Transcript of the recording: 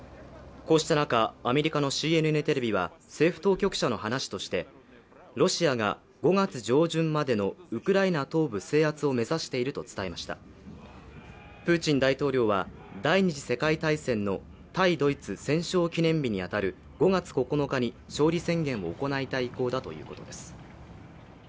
こうした中、アメリカのＣＮＮテレビは政府当局者の話としてロシアが５月上旬までのウクライナ東部制圧を目指していると伝えましたプーチン大統領は第二次世界大戦の対ドイツ戦勝記念日に当たる５月９日に勝利宣言を行いたい意向だということです。